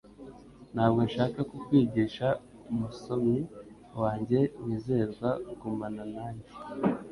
Ntabwo nshaka kukwigisha umusomyi wanjye wizerwa gumana nanjye